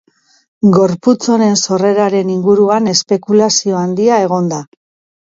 Gorputz honen sorreraren inguruan espekulazio handia egon da.